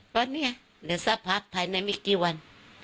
ว่าเเนี่ยเหลือซ้าพักพักทั้งมีกี่วัน